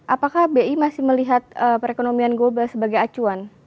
apakah bi masih melihat perekonomian global sebagai acuan